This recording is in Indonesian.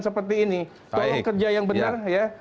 seperti ini tolong kerja yang benar ya